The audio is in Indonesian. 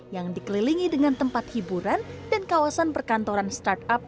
yang dikelilingi dengan tempat hiburan dan kawasan perkantoran startup